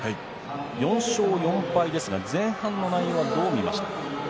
４勝４敗ですが前半の内容はどう見ましたか。